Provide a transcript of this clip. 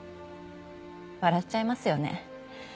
笑っちゃいますよね？